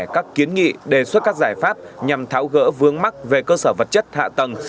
các kiến nghị đề xuất các giải pháp nhằm tháo gỡ vướng mắc về cơ sở vật chất hạ tầng